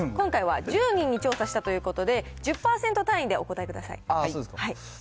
今回は１０人に調査したということで、１０％単位でお答えください。